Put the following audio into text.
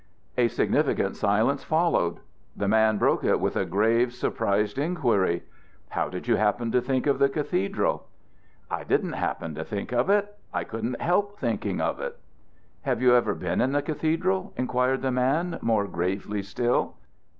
A significant silence followed. The man broke it with a grave surprised inquiry: "How did you happen to think of the cathedral?" "I didn't happen to think of it; I couldn't help thinking of it." "Have you ever been in the cathedral?" inquired the man more gravely still.